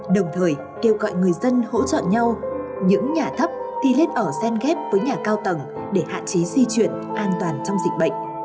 đồng thời kêu gọi người dân hỗ trợ nhau những nhà thấp thì lên ở sen ghép với nhà cao tầng để hạn chế di chuyển an toàn trong dịch bệnh